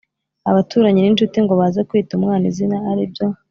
abaturanyi n’inshuti, ngo baze kwita umwana izina ari byo